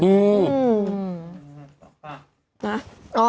หรือเปล่า